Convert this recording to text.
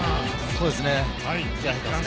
そうですね。